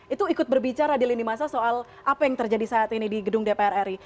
itu ikut berbicara di lini masa soal apa yang terjadi saat ini di gedung dpr ri